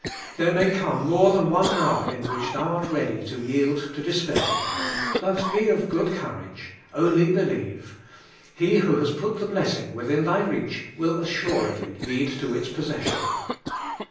There may come more than one hour in which thou art ready to yield to despair; but be of good courage. Only believe. He who has put the blessing within thy reach will assuredly lead to its possession.